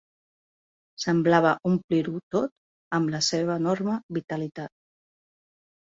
Semblava omplir-ho tot amb la seva enorme vitalitat.